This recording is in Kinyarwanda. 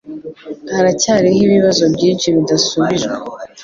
Haracyariho ibibazo byinshi bidasubijwe.